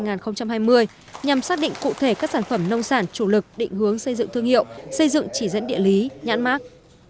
nhằm xác định cụ thể các sản phẩm nông sản chủ lực định hướng xây dựng thương hiệu xây dựng chỉ dẫn địa lý nhãn mát